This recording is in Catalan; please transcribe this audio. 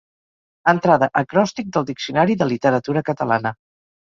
Entrada «Acròstic» del Diccionari de Literatura Catalana.